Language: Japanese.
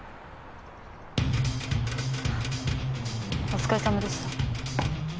お疲れさまでした。